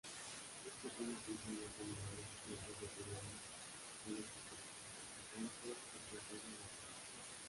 Estos son esencialmente animales y plantas de periodos geológicos arcaicos en su entorno natural.